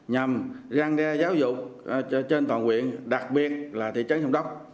nhằm răng ra giáo dục trên toàn quyền đặc biệt là thị trấn sông đốc